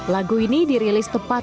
lagu ini dirilis tepat dua ribu tiga belas